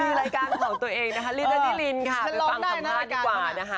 มีรายการของตัวเองนี่นิรินไปฟังสัมภาษณ์ดีกว่า